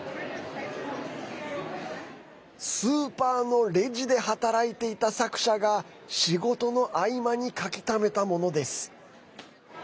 スーパーのレジで働いていた作者が仕事の合間に描きためたものです。